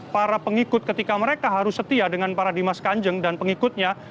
para pengikut ketika mereka harus setia dengan para dimas kanjeng dan pengikutnya